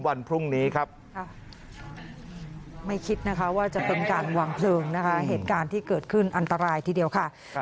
วันพรุ่งนี้ครับ